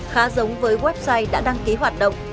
khá giống với website đã đăng ký hoạt động